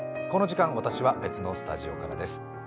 この時間、私は別のスタジオからです。